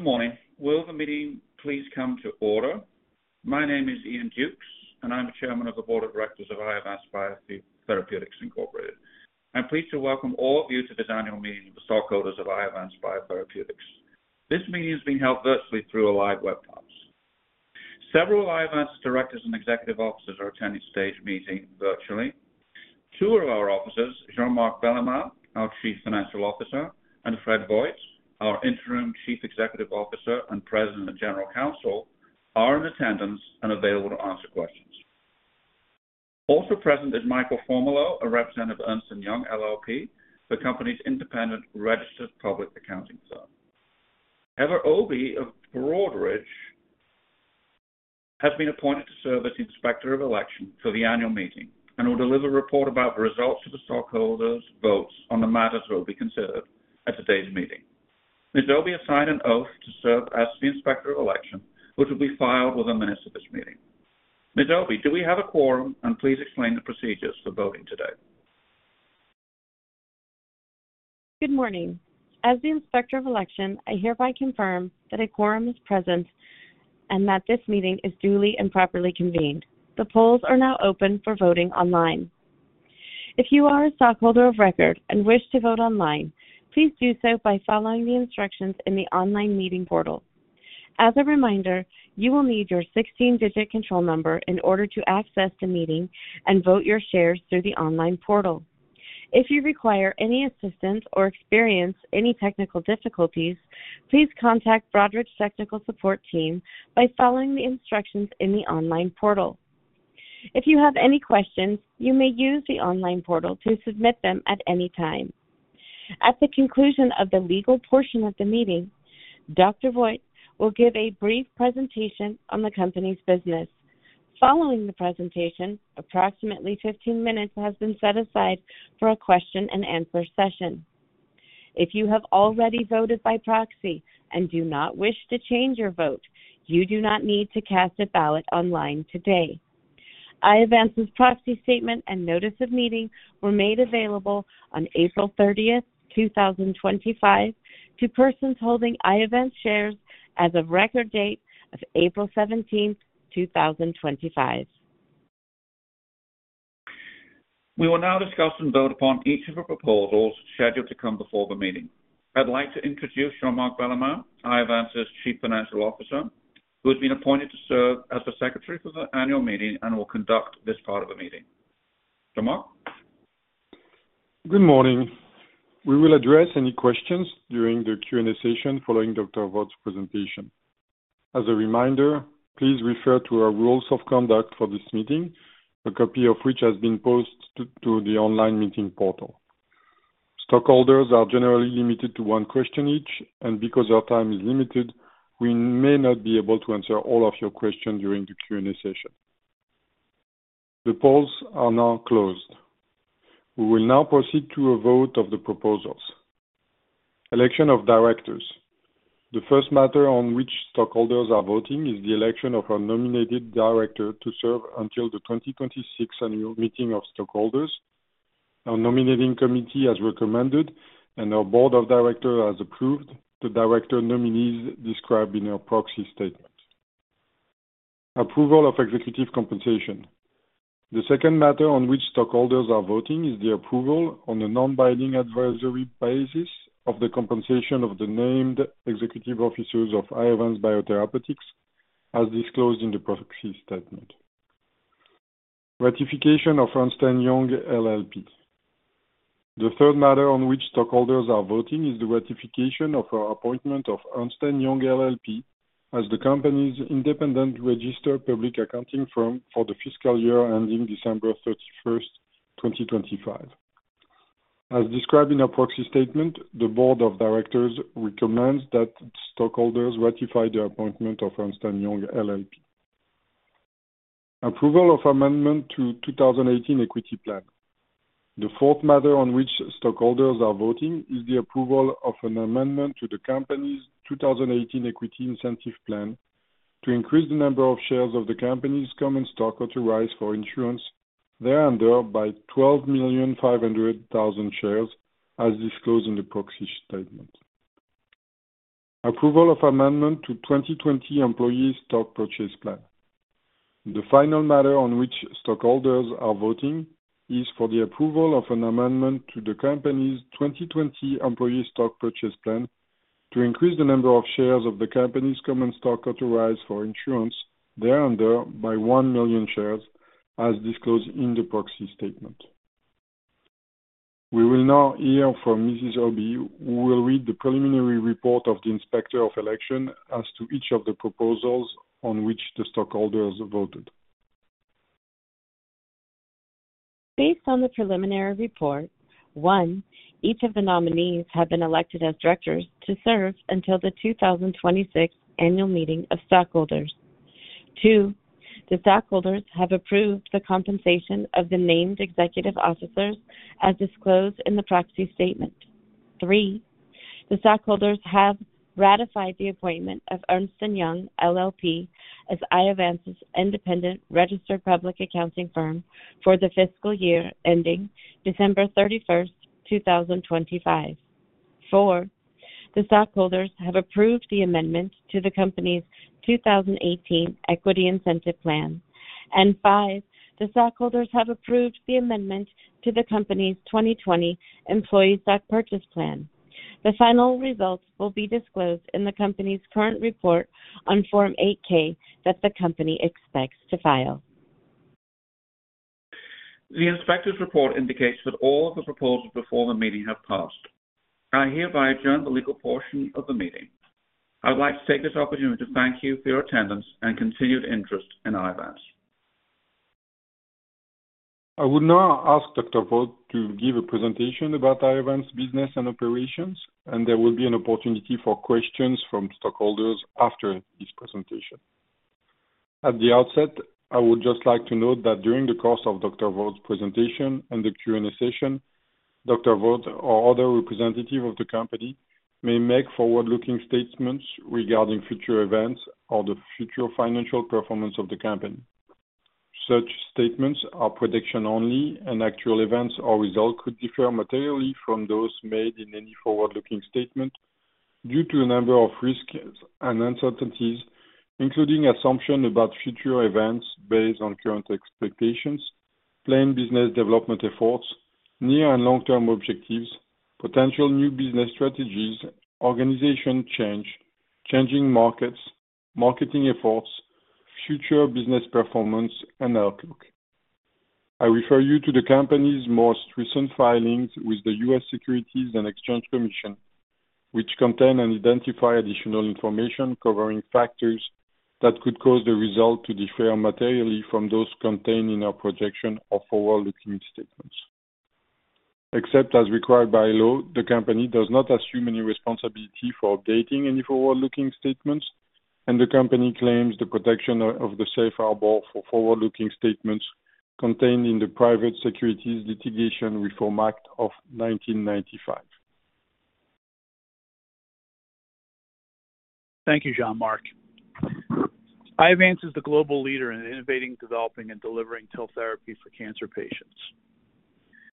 Good morning. Will the meeting please come to order? My name is Ian Jukes, and I'm the Chairman of the Board of Directors of IOVANCE Biotherapeutics. I'm pleased to welcome all of you to this annual meeting of the stockholders of IOVANCE Biotherapeutics. This meeting is being held virtually through a live webcast. Several IOVANCE directors and executive officers are attending today's meeting virtually. Two of our officers, Jean-Marc Bellemin, our Chief Financial Officer, and Fred Vogt, our Interim Chief Executive Officer and President and General Counsel, are in attendance and available to answer questions. Also present is Michael Formalo, a representative of Ernst & Young LLP, the company's independent registered public accounting firm. Heather Obi of Broadridge has been appointed to serve as the Inspector of Election for the annual meeting and will deliver a report about the results of the stockholders' votes on the matters that will be considered at today's meeting. Ms. Obi has signed an oath to serve as the Inspector of Election, which will be filed with the minutes of this meeting. Ms. Obi, do we have a quorum? Please explain the procedures for voting today. Good morning. As the Inspector of Election, I hereby confirm that a quorum is present and that this meeting is duly and properly convened. The polls are now open for voting online. If you are a stockholder of record and wish to vote online, please do so by following the instructions in the online meeting portal. As a reminder, you will need your 16-digit control number in order to access the meeting and vote your shares through the online portal. If you require any assistance or experience any technical difficulties, please contact the Broadridge Technical Support Team by following the instructions in the online portal. If you have any questions, you may use the online portal to submit them at any time. At the conclusion of the legal portion of the meeting, Dr. Vogt will give a brief presentation on the company's business. Following the presentation, approximately 15 minutes have been set aside for a question-and-answer session. If you have already voted by proxy and do not wish to change your vote, you do not need to cast a ballot online today. IOVANCE's proxy statement and notice of meeting were made available on April 30, 2025, to persons holding IOVANCE shares as of record date of April 17, 2025. We will now discuss and vote upon each of the proposals scheduled to come before the meeting. I'd like to introduce Jean-Marc Bellemin, IOVANCE's Chief Financial Officer, who has been appointed to serve as the Secretary for the annual meeting and will conduct this part of the meeting. Jean-Marc? Good morning. We will address any questions during the Q&A session following Dr. Vogt's presentation. As a reminder, please refer to our rules of conduct for this meeting, a copy of which has been posted to the online meeting portal. Stockholders are generally limited to one question each, and because our time is limited, we may not be able to answer all of your questions during the Q&A session. The polls are now closed. We will now proceed to a vote of the proposals. Election of Directors. The first matter on which stockholders are voting is the election of a nominated director to serve until the 2026 annual meeting of stockholders. Our nominating committee has recommended, and our Board of Directors has approved the director nominees described in our proxy statement. Approval of Executive Compensation. The second matter on which stockholders are voting is the approval on a non-binding advisory basis of the compensation of the named executive officers of IOVANCE Biotherapeutics, as disclosed in the proxy statement. Ratification of Ernst & Young LLP. The third matter on which stockholders are voting is the ratification of our appointment of Ernst & Young LLP as the company's independent registered public accounting firm for the fiscal year ending December 31, 2025. As described in our proxy statement, the Board of Directors recommends that stockholders ratify the appointment of Ernst & Young LLP. Approval of Amendment to 2018 Equity Plan. The fourth matter on which stockholders are voting is the approval of an amendment to the company's 2018 Equity Incentive Plan to increase the number of shares of the company's common stock authorized for issuance thereunder by 12,500,000 shares, as disclosed in the proxy statement. Approval of Amendment to 2020 Employee Stock Purchase Plan. The final matter on which stockholders are voting is for the approval of an amendment to the company's 2020 Employee Stock Purchase Plan to increase the number of shares of the company's common stock authorized for issuance thereunder by 1 million shares, as disclosed in the proxy statement. We will now hear from Mrs. Obi, who will read the preliminary report of the Inspector of Election as to each of the proposals on which the stockholders voted. Based on the preliminary report, one, each of the nominees have been elected as directors to serve until the 2026 annual meeting of stockholders. Two, the stockholders have approved the compensation of the named executive officers, as disclosed in the proxy statement. Three, the stockholders have ratified the appointment of Ernst & Young LLP as IOVANCE's independent registered public accounting firm for the fiscal year ending December 31, 2025. Four, the stockholders have approved the amendment to the company's 2018 Equity Incentive Plan. Five, the stockholders have approved the amendment to the company's 2020 Employee Stock Purchase Plan. The final results will be disclosed in the company's current report on Form 8K that the company expects to file. The Inspector's report indicates that all of the proposals before the meeting have passed. I hereby adjourn the legal portion of the meeting. I would like to take this opportunity to thank you for your attendance and continued interest in IOVANCE. I would now ask Dr. Vogt to give a presentation about IOVANCE's business and operations, and there will be an opportunity for questions from stockholders after his presentation. At the outset, I would just like to note that during the course of Dr. Vogt's presentation and the Q&A session, Dr. Vogt or other representatives of the company may make forward-looking statements regarding future events or the future financial performance of the company. Such statements are prediction only, and actual events or results could differ materially from those made in any forward-looking statement due to a number of risks and uncertainties, including assumptions about future events based on current expectations, planned business development efforts, near and long-term objectives, potential new business strategies, organization change, changing markets, marketing efforts, future business performance, and outlook. I refer you to the company's most recent filings with the U.S. Securities and Exchange Commission, which contain and identify additional information covering factors that could cause the result to differ materially from those contained in our projection or forward-looking statements. Except as required by law, the company does not assume any responsibility for updating any forward-looking statements, and the company claims the protection of the safe harbor for forward-looking statements contained in the Private Securities Litigation Reform Act of 1995. Thank you, Jean-Marc. IOVANCE is the global leader in innovating, developing, and delivering TIL therapy for cancer patients.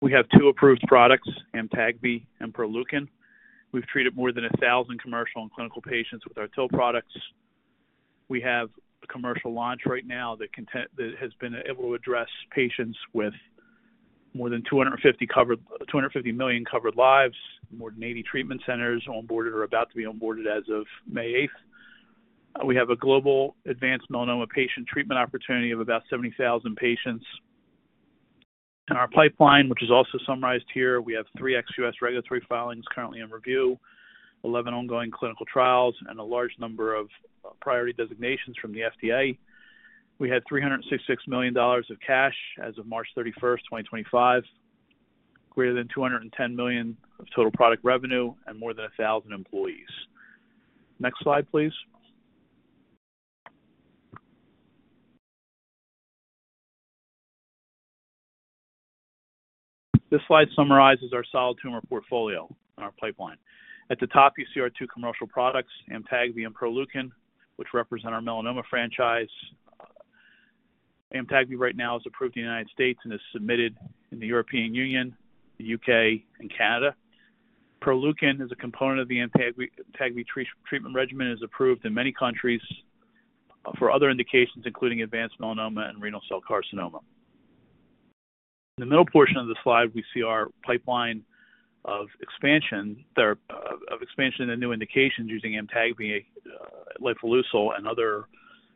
We have two approved products, Amtagvi and Proleukin. We've treated more than 1,000 commercial and clinical patients with our TIL products. We have a commercial launch right now that has been able to address patients with more than 250 million covered lives, more than 80 treatment centers onboarded or about to be onboarded as of May 8th. We have a global advanced melanoma patient treatment opportunity of about 70,000 patients. In our pipeline, which is also summarized here, we have three ex-U.S. regulatory filings currently in review, 11 ongoing clinical trials, and a large number of priority designations from the FDA. We had $366 million of cash as of March 31st, 2025, greater than $210 million of total product revenue, and more than 1,000 employees. Next slide, please. This slide summarizes our solid tumor portfolio in our pipeline. At the top, you see our two commercial products, Amtagvi and Proleukin, which represent our melanoma franchise. Amtagvi right now is approved in the United States and is submitted in the European Union, the U.K., and Canada. Proleukin is a component of the Amtagvi treatment regimen and is approved in many countries for other indications, including advanced melanoma and renal cell carcinoma. In the middle portion of the slide, we see our pipeline of expansion and new indications using Amtagvi, lifileucel, and other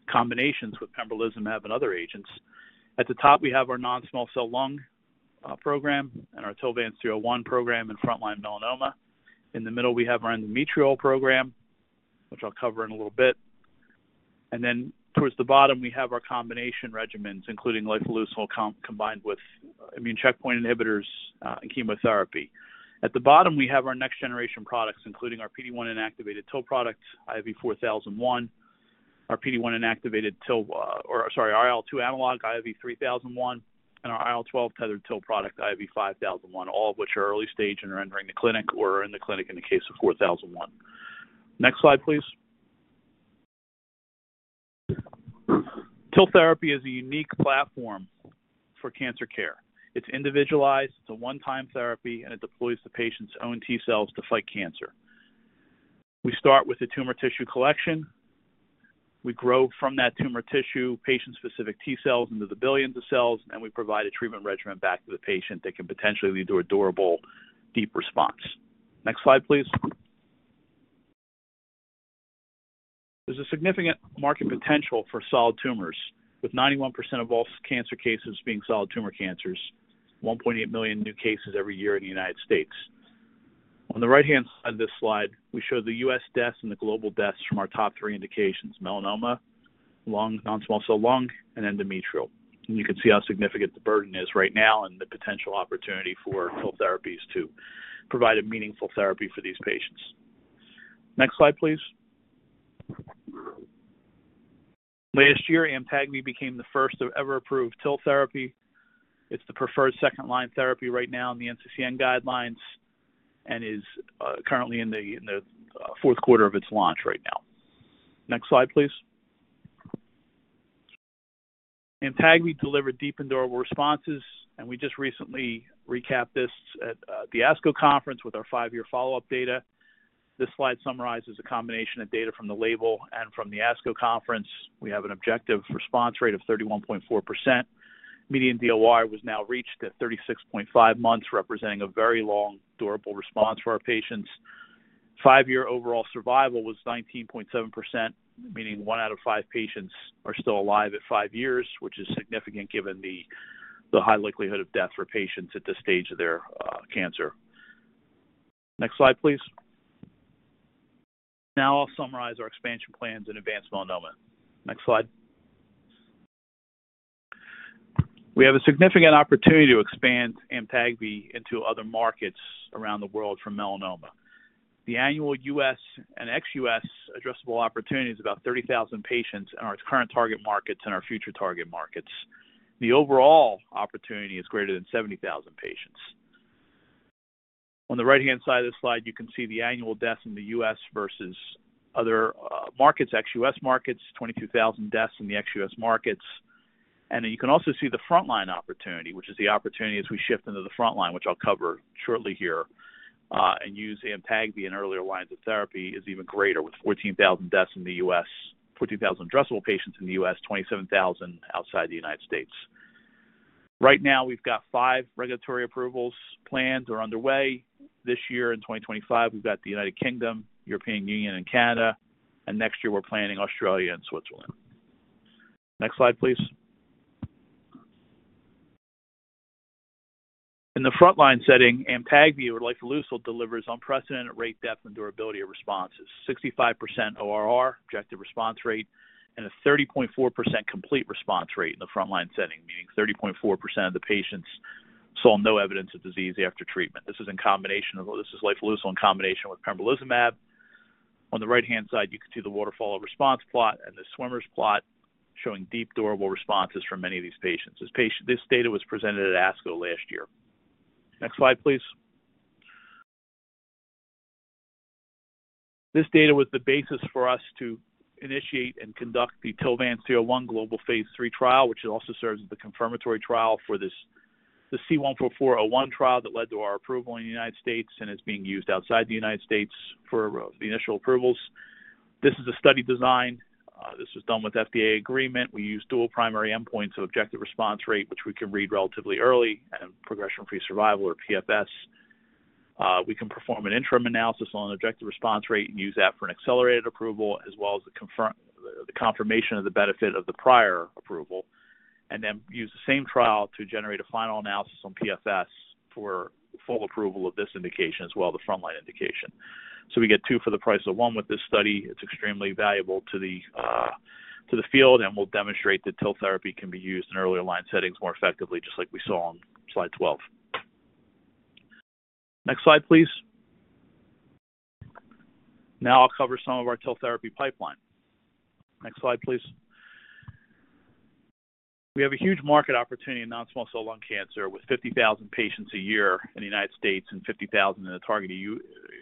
combinations with pembrolizumab and other agents. At the top, we have our non-small cell lung program and our TOVANS-301 program in frontline melanoma. In the middle, we have our endometrial program, which I'll cover in a little bit. Towards the bottom, we have our combination regimens, including lifileucel combined with immune checkpoint inhibitors and chemotherapy. At the bottom, we have our next-generation products, including our PD-1 inactivated TIL product, IV-4001, our PD-1 inactivated TIL, or sorry, our IL-2 analog, IV-3001, and our IL-12 tethered TIL product, IV-5001, all of which are early stage and are entering the clinic or are in the clinic in the case of 4001. Next slide, please. TIL therapy is a unique platform for cancer care. It's individualized, it's a one-time therapy, and it deploys the patient's own T cells to fight cancer. We start with the tumor tissue collection. We grow from that tumor tissue patient-specific T cells into the billions of cells, and we provide a treatment regimen back to the patient that can potentially lead to a durable, deep response. Next slide, please. There's a significant market potential for solid tumors, with 91% of all cancer cases being solid tumor cancers, 1.8 million new cases every year in the United States. On the right-hand side of this slide, we show the U.S. deaths and the global deaths from our top three indications: melanoma, lung, non-small cell lung, and endometrial. You can see how significant the burden is right now and the potential opportunity for TIL therapies to provide a meaningful therapy for these patients. Next slide, please. Last year, Amtagvi became the first to ever approve TIL therapy. It's the preferred second-line therapy right now in the NCCN guidelines and is currently in the fourth quarter of its launch right now. Next slide, please. Amtagvi delivered deep and durable responses, and we just recently recapped this at the ASCO conference with our five-year follow-up data. This slide summarizes a combination of data from the label and from the ASCO conference. We have an objective response rate of 31.4%. Median DOI was now reached at 36.5 months, representing a very long, durable response for our patients. Five-year overall survival was 19.7%, meaning one out of five patients are still alive at five years, which is significant given the high likelihood of death for patients at this stage of their cancer. Next slide, please. Now I'll summarize our expansion plans in advanced melanoma. Next slide. We have a significant opportunity to expand Amtagvi into other markets around the world for melanoma. The annual U.S. and ex-U.S. addressable opportunity is about 30,000 patients in our current target markets and our future target markets. The overall opportunity is greater than 70,000 patients. On the right-hand side of this slide, you can see the annual deaths in the U.S. versus other markets, ex-U.S. markets, 22,000 deaths in the ex-U.S. markets. You can also see the frontline opportunity, which is the opportunity as we shift into the frontline, which I'll cover shortly here, and use Amtagvi in earlier lines of therapy is even greater with 14,000 deaths in the U.S., 14,000 addressable patients in the U.S., 27,000 outside the United States. Right now, we've got five regulatory approvals planned or underway. This year and 2025, we've got the United Kingdom, European Union, and Canada, and next year we're planning Australia and Switzerland. Next slide, please. In the frontline setting, Amtagvi or lifileucel delivers unprecedented rate, depth, and durability of responses, 65% ORR, objective response rate, and a 30.4% complete response rate in the frontline setting, meaning 30.4% of the patients saw no evidence of disease after treatment. This is in combination, this is lifileucel in combination with pembrolizumab. On the right-hand side, you can see the waterfall of response plot and the swimmers plot showing deep durable responses for many of these patients. This data was presented at ASCO last year. Next slide, please. This data was the basis for us to initiate and conduct the TOVANS-301 global phase 3 trial, which also serves as the confirmatory trial for the C144-01 trial that led to our approval in the United States and is being used outside the United States for the initial approvals. This is a study design. This was done with FDA agreement. We use dual primary endpoints of objective response rate, which we can read relatively early, and progression-free survival, or PFS. We can perform an interim analysis on objective response rate and use that for an accelerated approval, as well as the confirmation of the benefit of the prior approval, and then use the same trial to generate a final analysis on PFS for full approval of this indication as well, the frontline indication. We get two for the price of one with this study. It's extremely valuable to the field, and we'll demonstrate that TIL therapy can be used in earlier line settings more effectively, just like we saw on slide 12. Next slide, please. Now I'll cover some of our TIL therapy pipeline. Next slide, please. We have a huge market opportunity in non-small cell lung cancer with 50,000 patients a year in the United States and 50,000 in the target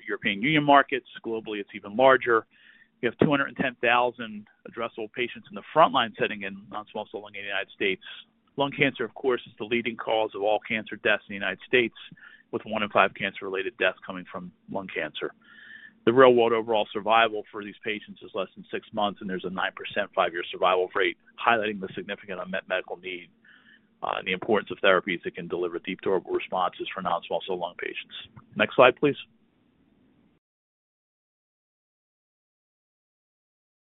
European Union markets. Globally, it's even larger. We have 210,000 addressable patients in the frontline setting in non-small cell lung in the United States. Lung cancer, of course, is the leading cause of all cancer deaths in the United States, with one in five cancer-related deaths coming from lung cancer. The real-world overall survival for these patients is less than six months, and there's a 9% five-year survival rate, highlighting the significant unmet medical need and the importance of therapies that can deliver deep durable responses for non-small cell lung patients. Next slide, please.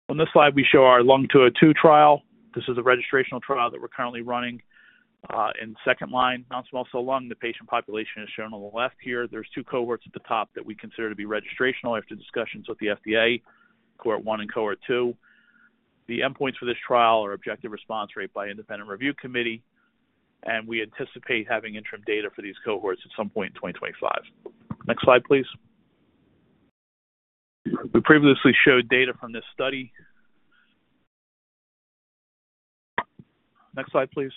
On this slide, we show our Lung TUA-2 trial. This is a registrational trial that we're currently running in second line non-small cell lung. The patient population is shown on the left here. There's two cohorts at the top that we consider to be registrational after discussions with the FDA, cohort one and cohort two. The endpoints for this trial are objective response rate by independent review committee, and we anticipate having interim data for these cohorts at some point in 2025. Next slide, please. We previously showed data from this study. Next slide, please.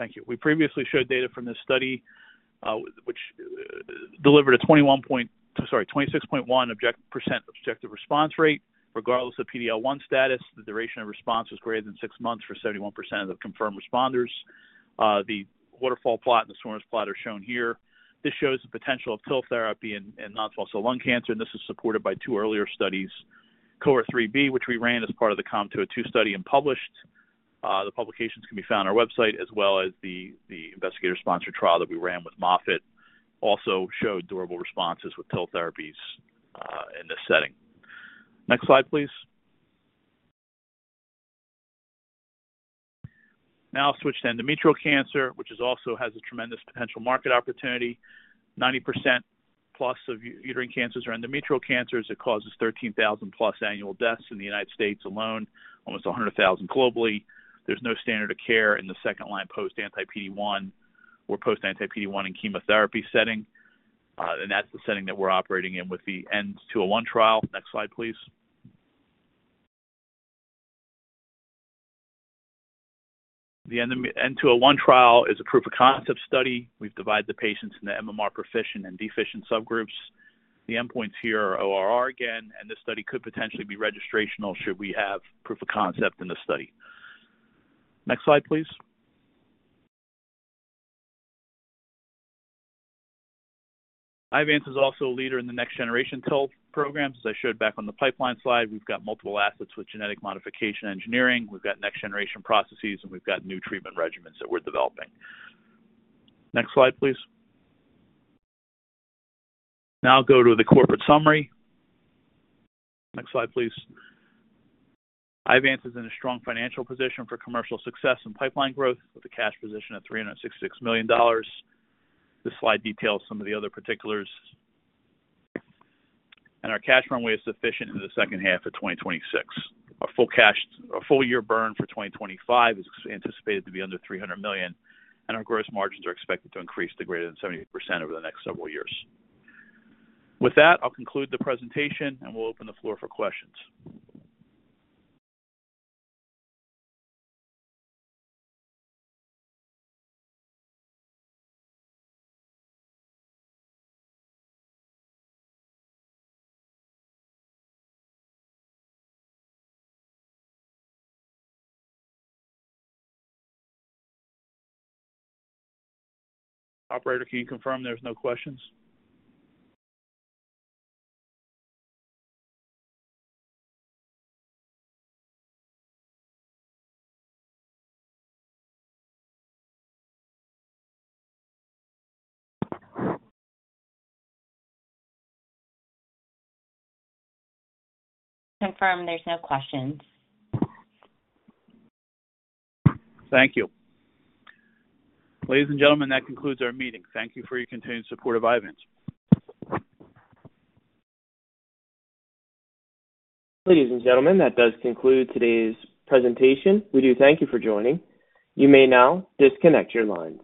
Thank you. We previously showed data from this study, which delivered a 26.1% objective response rate. Regardless of PD-L1 status, the duration of response was greater than six months for 71% of the confirmed responders. The waterfall plot and the swimmers plot are shown here. This shows the potential of TIL therapy in non-small cell lung cancer, and this is supported by two earlier studies, cohort 3B, which we ran as part of the COMTO-2 study and published. The publications can be found on our website, as well as the investigator-sponsored trial that we ran with Moffitt, also showed durable responses with TIL therapies in this setting. Next slide, please. Now I'll switch to endometrial cancer, which also has a tremendous potential market opportunity. 90% plus of uterine cancers are endometrial cancers. It causes 13,000 plus annual deaths in the United States alone, almost 100,000 globally. There's no standard of care in the second-line post-anti-PD-1 or post-anti-PD-1 and chemotherapy setting, and that's the setting that we're operating in with the N201 trial. Next slide, please. The N201 trial is a proof of concept study. We've divided the patients into MMR proficient and deficient subgroups. The endpoints here are ORR again, and this study could potentially be registrational should we have proof of concept in the study. Next slide, please. IOAVANCE is also a leader in the next-generation TIL programs. As I showed back on the pipeline slide, we've got multiple assets with genetic modification engineering. We've got next-generation processes, and we've got new treatment regimens that we're developing. Next slide, please. Now I'll go to the corporate summary. Next slide, please. IOVANCE is in a strong financial position for commercial success and pipeline growth with a cash position of $366 million. This slide details some of the other particulars. Our cash runway is sufficient into the second half of 2026. Our full year burn for 2025 is anticipated to be under $300 million, and our gross margins are expected to increase to greater than 70% over the next several years. With that, I'll conclude the presentation, and we'll open the floor for questions. Operator, can you confirm there's no questions? Confirm there's no questions. Thank you. Ladies and gentlemen, that concludes our meeting. Thank you for your continued support of IOVANCE. Ladies and gentlemen, that does conclude today's presentation. We do thank you for joining. You may now disconnect your lines.